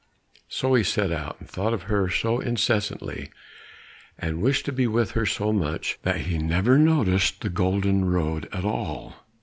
So he set out and thought of her so incessantly, and wished to be with her so much, that he never noticed the golden road at all.